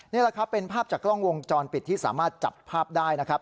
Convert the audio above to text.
นี่แหละครับเป็นภาพจากกล้องวงจรปิดที่สามารถจับภาพได้นะครับ